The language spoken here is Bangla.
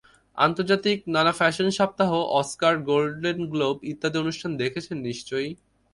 আন্তর্জাতিক নানা ফ্যাশন সপ্তাহ, অস্কার, গোল্ডেন গ্লোব ইত্যাদি অনুষ্ঠান দেখছেন নিশ্চয়ই।